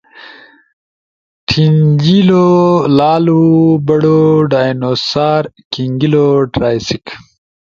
ھینجیلو لالو برو ڈائنوسار[کھنگیلو ٹرائسیک۔